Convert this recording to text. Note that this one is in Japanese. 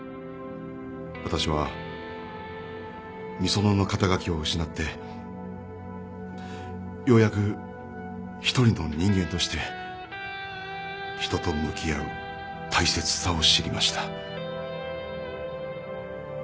私はみそのの肩書を失ってようやく一人の人間として人と向き合う大切さを知りました。